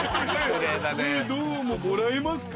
どうももらえますか？